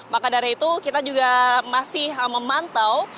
maka dari itu kita juga masih memantau